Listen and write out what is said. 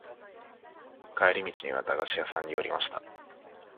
帰り道には駄菓子屋さんに寄りました。